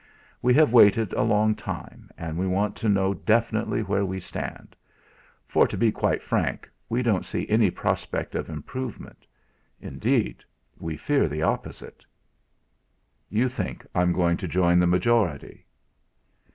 We have waited a long time, and we want to know definitely where we stand; for, to be quite frank, we don't see any prospect of improvement; indeed, we fear the opposite." "You think I'm going to join the majority."